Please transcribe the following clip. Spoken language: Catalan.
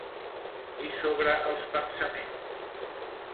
I sobre els pensaments?